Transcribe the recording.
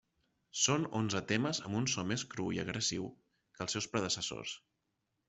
Són onze temes amb un so més cru i agressiu que els seus predecessors.